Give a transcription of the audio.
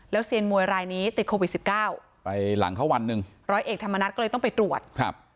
เซียนมวยรายนี้ติดโควิดสิบเก้าไปหลังเขาวันหนึ่งร้อยเอกธรรมนัฐก็เลยต้องไปตรวจครับ